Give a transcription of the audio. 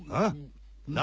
何？